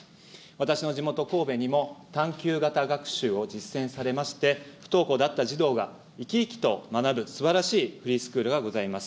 私の地元、神戸にも探求型学習を実践されまして、不登校だった児童が生き生きと学ぶ、すばらしいフリースクールがございます。